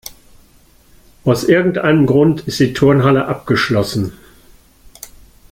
Aus irgendeinem Grund ist die Turnhalle abgeschlossen.